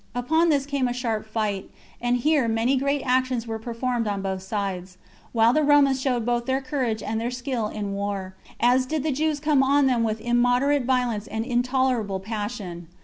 Upon this came on a sharp fight, and here many great actions were performed on both sides; while the Romans showed both their courage and their skill in war, as did the Jews come on them with immoderate violence and intolerable passion.